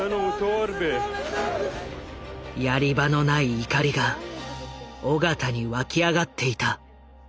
やり場のない怒りが緒方に湧き上がっていた。